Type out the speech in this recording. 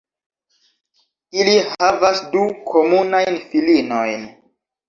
Ili havas du komunajn filinojn.